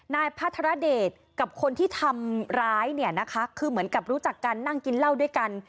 นายพระธรเดชกับคนที่ทำร้ายเนี่ยนะคะคือเหมือนกับรู้จักกันนั่งกินเหล้าด้วยกัน